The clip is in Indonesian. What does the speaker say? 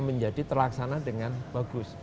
menjadi terlaksana dengan bagus